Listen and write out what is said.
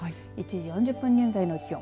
１時４０分現在の気温。